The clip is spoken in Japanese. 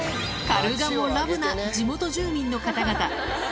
カルガモＬＯＶＥな地元住民の方々。